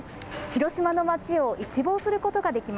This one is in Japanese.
広島の町を一望することができ